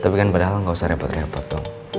tapi kan padahal gak usah repot repot dong